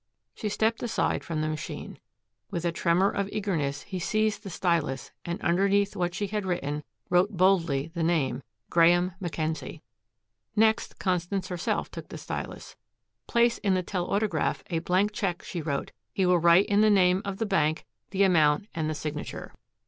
She stepped aside from the machine. With a tremor of eagerness he seized the stylus and underneath what she had written wrote boldly the name, "Graeme Mackenzie." Next Constance herself took the stylus. "Place in the telautograph a blank check," she wrote. "He will write in the name of the bank, the amount, and the signature."